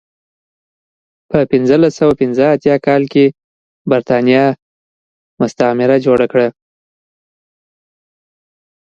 په پنځلس سوه پنځه اتیا کال کې برېټانیا مستعمره جوړه کړه.